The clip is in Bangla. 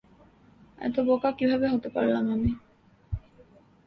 এত বোকা কীভাবে হতে পারলাম আমি?